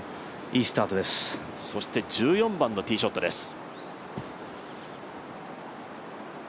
そして１４番のティーショットです。